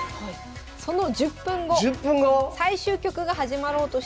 その１０分後１０分後⁉最終局が始まろうとしていました。